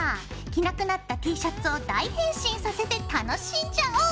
着なくなったＴシャツを大変身させて楽しんじゃおう！